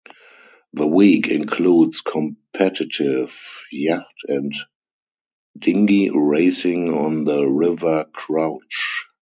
The week includes competitive yacht and dinghy racing on the River Crouch.